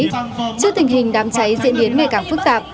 trước tình hình đám cháy diễn biến ngày càng phức tạp